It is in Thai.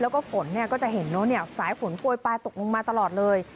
แล้วก็ฝนก็จะเห็นสายฝนโปรยปลายตกลงมาตลอดเลย